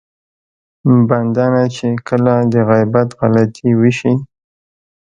بنده نه چې کله د غيبت غلطي وشي.